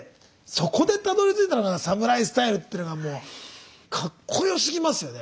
そこでたどりついたのがサムライスタイルっていうのがもうかっこよすぎますよね。